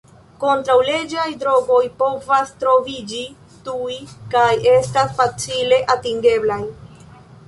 Kontraŭleĝaj drogoj povas troviĝi tuj kaj estas facile atingeblaj.